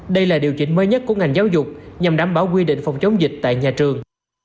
đây là điều chỉnh mới nhất của ngành giáo dục nhằm đảm bảo quy định phòng chống dịch tại nhà trường